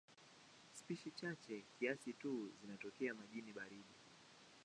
Spishi chache kiasi tu zinatokea majini baridi.